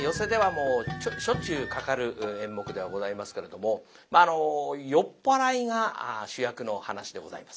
もうしょっちゅうかかる演目ではございますけれども酔っ払いが主役の噺でございます。